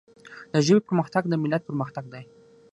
د ژبي پرمختګ د ملت پرمختګ دی.